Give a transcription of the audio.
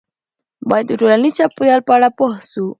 باید د ټولنیز چاپیریال په اړه پوه سو.